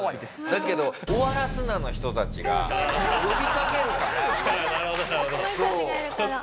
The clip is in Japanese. だけど「終わらすな！」の人たちが呼びかけるから。